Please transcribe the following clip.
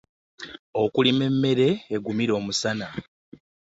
Okulima emmere egumira omusaana.